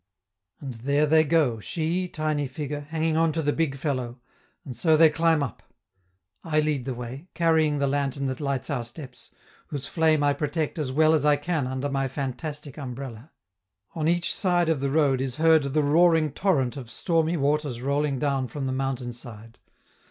And there they go, she, tiny figure, hanging on to the big fellow, and so they climb up. I lead the way, carrying the lantern that lights our steps, whose flame I protect as well as I can under my fantastic umbrella. On each side of the road is heard the roaring torrent of stormy waters rolling down from the mountain side.